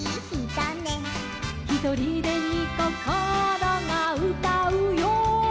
「ひとりでにこころがうたうよ」